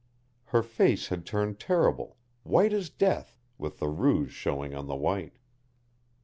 Her face had turned terrible, white as death, with the rouge showing on the white.